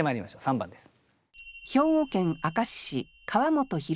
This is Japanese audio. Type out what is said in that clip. ３番です。